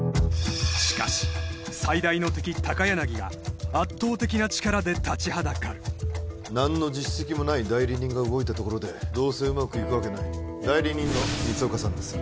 しかし最大の敵高柳が圧倒的な力で立ちはだかる何の実績もない代理人が動いたところでどうせうまくいくわけない代理人の光岡さんです